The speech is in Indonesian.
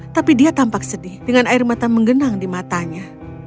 tapi dia tampak sedih dengan air mata menggenang di matanya